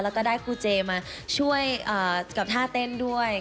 แล้วก็ได้ครูเจมาช่วยกับท่าเต้นด้วย